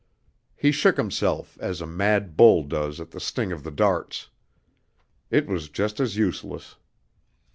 He shook himself as a mad bull does at the sting of the darts. It was just as useless.